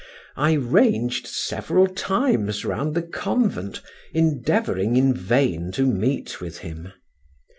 I ranged several times round the convent, endeavoring in vain to meet with him.